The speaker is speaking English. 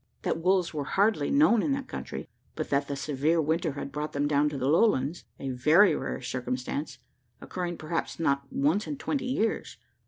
That wolves were hardly known in that country, but that the severe winter had brought them down to the lowlands, a very rare circumstance, occurring perhaps not once in twenty years.